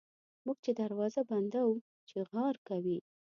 موږ چي دروازه بندوو چیغهار کوي.